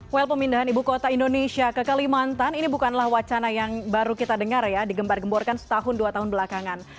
well pemindahan ibu kota indonesia ke kalimantan ini bukanlah wacana yang baru kita dengar ya digembar gemborkan setahun dua tahun belakangan